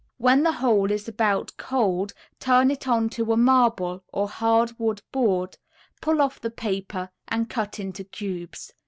When the whole is about cold turn it onto a marble, or hardwood board, pull off the paper and cut into cubes.